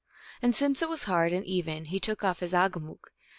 And since it was hard and even, he took off his agahmook (P.)